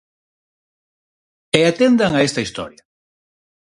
E atendan a esta historia.